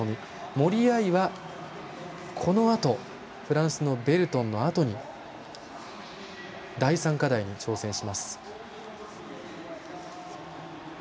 森秋彩は、このあとフランスのベルトンのあとに第３課題に挑戦します。